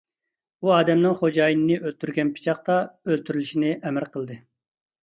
ئۇ ئادەمنىڭ خوجايىنىنى ئۆلتۈرگەن پىچاقتا ئۆلتۈرۈلۈشىنى ئەمر قىلدى.